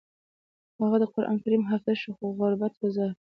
هغه د قران کریم حافظ شو خو غربت وځاپه